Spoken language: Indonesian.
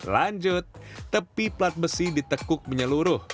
lanjut tepi pelat besi ditekuk menyeluruh